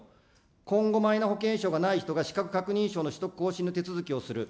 今後、マイナ保険証がない人が資格確認書の取得手続きをする。